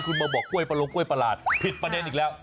คุณมาบอกกล้วยประลงกล้วยประหลาดผิดประเด็นอีกแล้ว